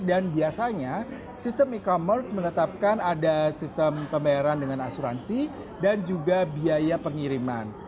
dan biasanya sistem e commerce menetapkan ada sistem pembayaran dengan asuransi dan juga biaya pengiriman